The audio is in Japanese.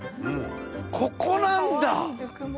ここなんだ！